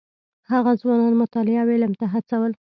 هغه ځوانان مطالعې او علم ته هڅول.